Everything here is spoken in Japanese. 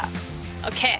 ＯＫ！